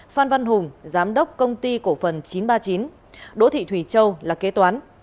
phan văn hùng giám đốc công ty cổ phần chín trăm ba mươi chín đỗ thị thủy châu là kế toán